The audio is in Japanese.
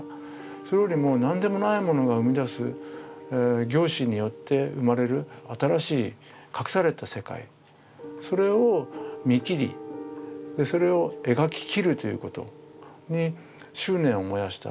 それよりも何でもないものが生み出す凝視によって生まれる新しい隠された世界それを見切りそれを描き切るということに執念を燃やしたところがありますよね。